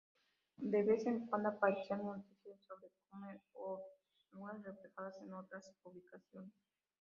De vez en cuando aparecían noticias sobre come-outers, algunas reflejadas en otras publicaciones.